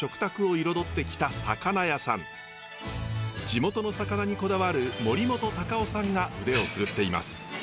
地元の魚にこだわる森本隆夫さんが腕を振るっています。